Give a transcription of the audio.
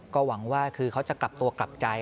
ก็หวังว่าคือเขาจะกลับตัวกลับใจ